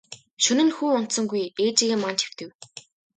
Шөнө нь хүү унтсангүй ээжийгээ манаж хэвтэв.